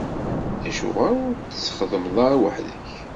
Acuɣer ur t-txeddmeḍ ara weḥd-k?